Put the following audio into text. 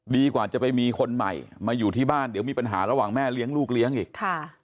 ดีกว่าจะไปมีคนใหม่มาอยู่ที่บ้านเดี๋ยวมีปัญหาระหว่างแม่เลี้ยงลูกเลี้ยงอีก